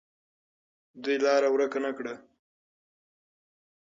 دوی لاره ورکه نه کړه.